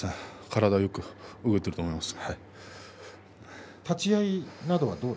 体がよく動いていると思います。